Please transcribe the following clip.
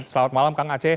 selamat malam kang aceh